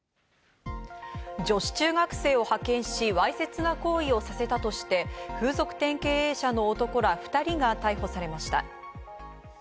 女子中学生を派遣し、わいせつな行為をさせたとして、風俗店経営者の男ら２人が逮捕されました。